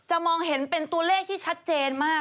มองเห็นเป็นตัวเลขที่ชัดเจนมาก